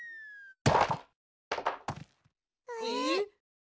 えっ？